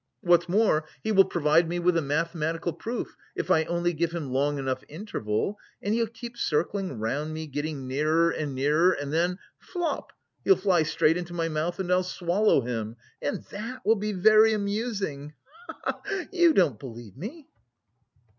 What's more he will provide me with a mathematical proof if I only give him long enough interval.... And he'll keep circling round me, getting nearer and nearer and then flop! He'll fly straight into my mouth and I'll swallow him, and that will be very amusing, he he he! You don't believe me?"